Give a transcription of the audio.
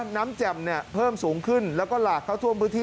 แจ่มเนี่ยเพิ่มสูงขึ้นแล้วก็หลากเข้าท่วมพื้นที่